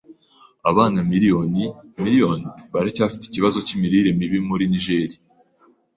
Abana miliyoni miriyoni baracyafite ikibazo cyimirire mibi muri Niger.